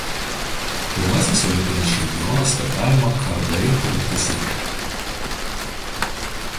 Pirmasis olimpinis čempionas fechtavimo kardai rungtyse.